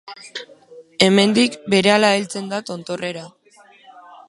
Hemendik, berehala heltzen da tontorrera.